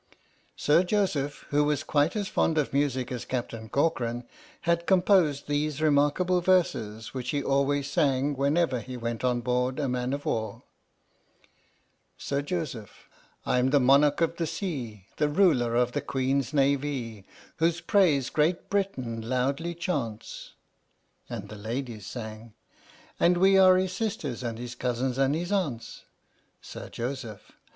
Sir Joseph, who was quite as fond of music as Captain Corcoran, had composed these remarkable verses which he always sang whenever he went on board a man of war. 39 H.M.S. "PINAFORE" Sir Joseph. I'm the monarch of the sea, The ruler of the Queen's Navee, Whose praise Great Britain loudly chaunts ! And the Ladies sang: And we are his sisters, and his cousins, and his aunts! Sir Joseph.